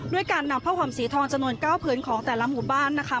ด้วยการนำพ่อห่อมสีทองจนวนเก้าผืนของแต่ละหมู่บ้านนะคะ